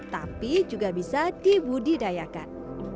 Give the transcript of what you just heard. tapi juga bisa dibudidayakan